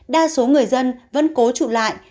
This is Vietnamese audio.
đa số người dân vẫn cố trụ lại